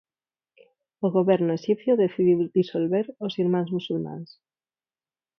O Goberno exipcio decidiu disolver os Irmáns Musulmáns.